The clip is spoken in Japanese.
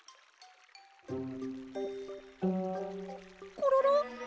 コロロ？